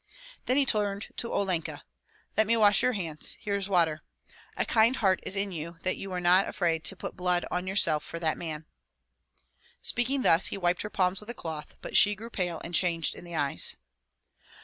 Then he turned to Olenka: "Let me wash your hands, here is water. A kind heart is in you that you were not afraid to put blood on yourself for that man." Speaking thus, he wiped her palms with a cloth; but she grew pale and changed in the eyes.